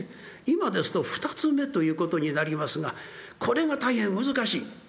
今ですと二ツ目ということになりますがこれが大変難しい。